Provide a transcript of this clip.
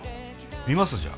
見ます？じゃあ。